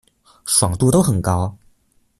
爽度都很高